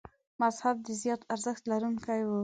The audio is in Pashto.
مذهب د زیات ارزښت لرونکي و.